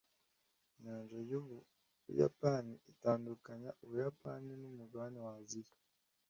inyanja yubuyapani itandukanya ubuyapani nu mugabane wa aziya